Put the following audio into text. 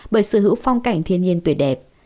bởi sở hữu phong cảnh thiên nhiên tuyệt đẹp